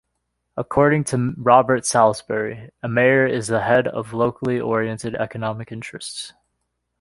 According to Robert Salisbury, A mayor is the head of locally oriented economic interests.